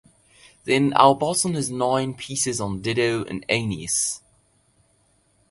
The in Aubusson has nine pieces on Dido and Aeneas.